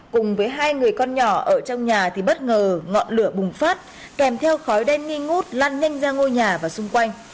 cùng với hai người con nhỏ ở trong nhà thì bất ngờ ngọn lửa bùng phát kèm theo khói đen nghi ngút lan nhanh ra ngôi nhà và xung quanh